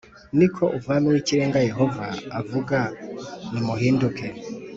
ni ko Umwami w Ikirenga Yehova avuga ni muhinduke